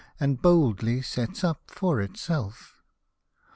And boldly sets up for itself.